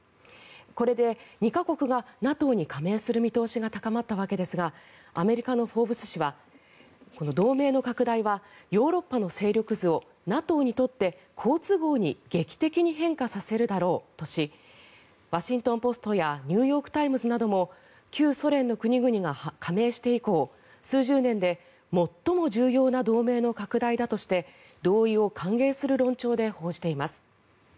これで２か国がＮＡＴＯに加盟する見通しが高まったわけですがアメリカの「フォーブス」誌は同盟の拡大はヨーロッパの勢力図をＮＡＴＯにとって好都合に劇的に変化させるだろうとしワシントン・ポストやニューヨーク・タイムズなども旧ソ連の国々が加盟して以降数十年で最も重要な同盟の拡大だとして同意を歓迎する論調で報じています。